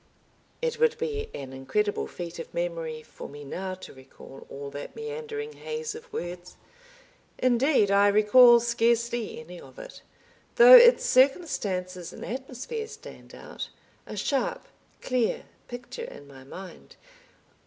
It would be an incredible feat of memory for me now to recall all that meandering haze of words, indeed I recall scarcely any of it, though its circumstances and atmosphere stand out, a sharp, clear picture in my mind.